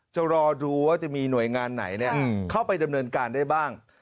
จะรอดูว่าจะมีหน่วยงานไหนเข้าไปดำเนินการได้บ้าง